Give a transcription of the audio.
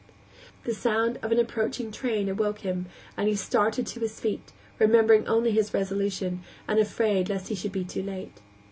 The sound of an approaching train awoke him, and he started to his feet, remembering only his resolution, and afraid lest he should be too late.